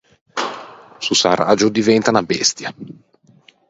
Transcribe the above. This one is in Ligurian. S’o s’arraggia, o diventa unna bestia.